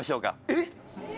えっ？